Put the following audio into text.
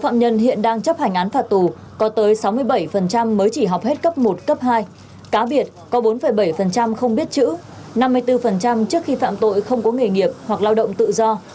năm mươi bảy mới chỉ học hết cấp một cấp hai cá biệt có bốn bảy không biết chữ năm mươi bốn trước khi phạm tội không có nghề nghiệp hoặc lao động tự do